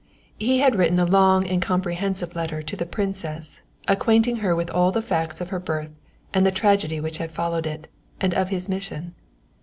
He had written a long and comprehensive letter to the Princess, acquainting her with all the facts of her birth and the tragedy which had followed it, and of his mission.